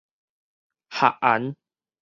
合絚